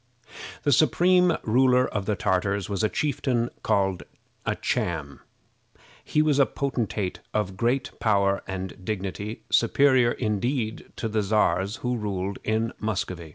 The supreme ruler of the Tartars was a chieftain called a Cham. He was a potentate of great power and dignity, superior, indeed, to the Czars who ruled in Muscovy.